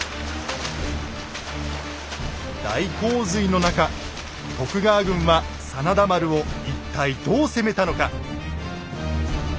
大洪水の中徳川軍は真田丸を一体どう攻めたのか。